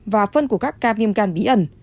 và phân của các ca viêm gan bí ẩn